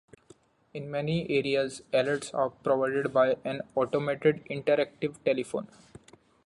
In many areas alerts are provided by an automated interactive telephone.